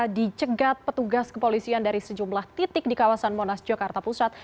dicegat petugas kepolisian dari sejumlah titik di kawasan monas jakarta pusat